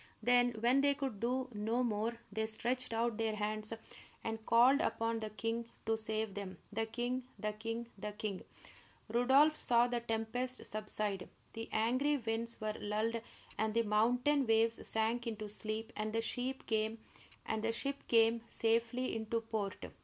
Then, when they could do no more, they stretched out their hands and called upon the king to save them, the king, the king, the king! Rodolph saw the tempest subside. The angry winds were lulled, and the mountain waves sank into sleep, and the ship came safely into port.